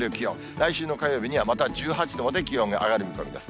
来週の火曜日にはまた１８度まで気温が上がる見込みです。